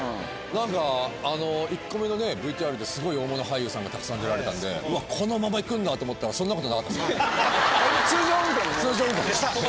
何か１個目のＶＴＲですごい大物俳優さんがたくさん出られたんでこのまま行くんだと思ったらそんなことなかったですね。